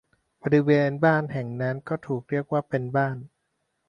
บริเวณบ้านแห่งนั้นก็ถูกเรียกว่าเป็นบ้าน